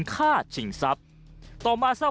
มันกลับมาแล้ว